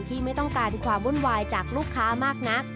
ไม่ต้องการความวุ่นวายจากลูกค้ามากนัก